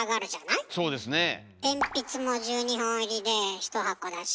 鉛筆も１２本入りで１箱だし。